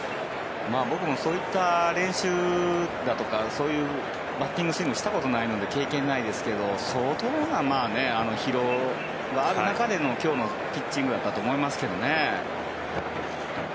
僕もそういった練習だとかそういうバッティングスイングをしたことがないので経験がないですけれど相当な疲労がある中での今日のピッチングだったと思いますけどね。